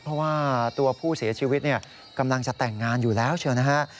เพราะว่าตัวผู้เสียชีวิตกำลังจะแต่งงานอยู่แล้วเชียวนะฮะ